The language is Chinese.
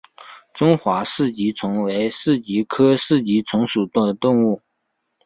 中华四极虫为四极科四极虫属的动物。